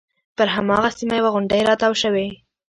پر هماغه سیمه یوه غونډۍ راتاو شوې.